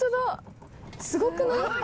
すごくない？